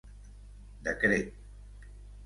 Decret.